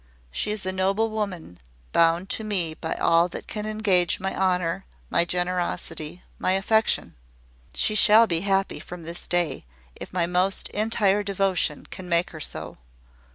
She is a noble woman, bound to me by all that can engage my honour, my generosity, my affection. She shall be happy from this day, if my most entire devotion can make her so.